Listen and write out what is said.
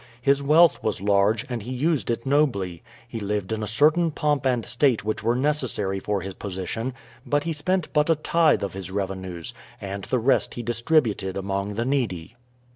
His wealth was large, and he used it nobly; he lived in a certain pomp and state which were necessary for his position, but he spent but a tithe of his revenues, and the rest he distributed among the needy.